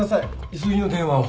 急ぎの電話を。